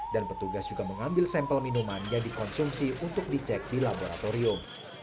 dan petugas juga mengambil sampel minuman yang dikonsumsi untuk dicek di laboratorium